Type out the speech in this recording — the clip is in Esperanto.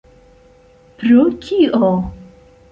Pro kio?